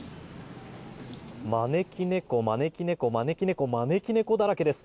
招き猫、招き猫、招き猫招き猫だらけです。